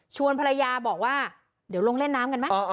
ภรรยาบอกว่าเดี๋ยวลงเล่นน้ำกันไหม